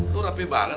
lu rapih banget